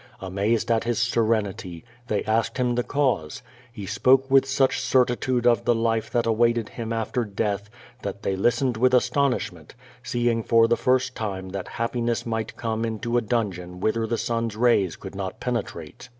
Amazed at his serenity, they asked him the cause. He spoke with such certitude of the life that awaited him after death, that they listened with astonish ment, seeing for the first time that happiness might come into a dungeon whither the sun's rays could not penetrate.